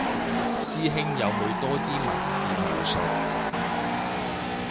師兄有冇多啲文字描述